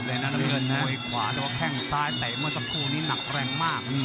ดูดูตรงตั้งดูดูกด้วยขวาได้แข่งขวาด้วยแข่งซ้ายใต้มพวกสามคู่นี้หนักแรงมาก